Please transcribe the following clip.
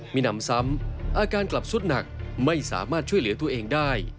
มีนำซ้ำอาการกลับสุดหนักไม่สามารถช่วยเหลือตัวเองได้